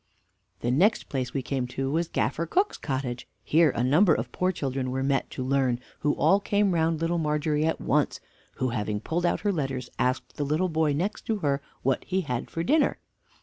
The next place we came to was Gaffer Cook's cottage. Here a number of poor children were met to learn, who all came round Little Margery at once, who having pulled out her letters, asked the little boy next her what he had for dinner?